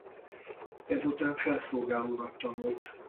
Ezután felszolgálónak tanult.